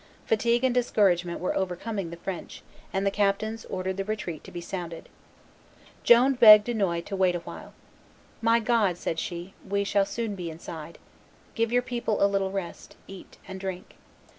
Fatigue and discouragement were overcoming the French; and the captains ordered the retreat to be sounded. Joan begged Dunois to wait a while. "My God," said she, "we shall soon be inside. Give your people a little rest; eat and drink."